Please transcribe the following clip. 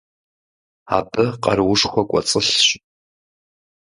Абы къаруушхуэ кӀуэцӀылъщ.